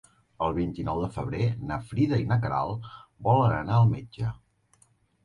El vint-i-nou de febrer na Frida i na Queralt volen anar al metge.